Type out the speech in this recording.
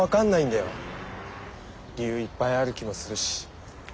理由いっぱいある気もするし。